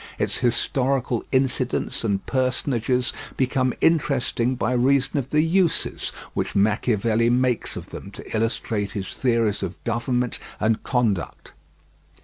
Its historical incidents and personages become interesting by reason of the uses which Machiavelli makes of them to illustrate his theories of government and conduct.